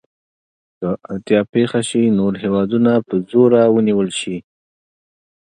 که اړتیا پېښه شي نور هېوادونه په زوره ونیول شي.